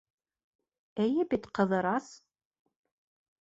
Эйе бит, Ҡыҙырас?